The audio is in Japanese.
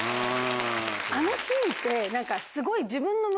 あのシーンって何かすごい。